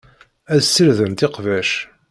Ad ssirdent iqbac.